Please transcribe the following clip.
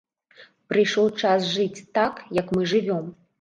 Прыйшоў час жыць так, як мы жывём.